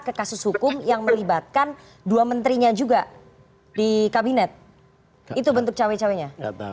ke kasus hukum yang melibatkan dua menterinya juga di kabinet itu bentuk cawe cawenya